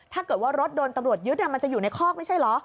ถ้าเกิดว่ารถโดนตำรวจยึดมันจะอยู่ในคอกไม่ใช่เหรอ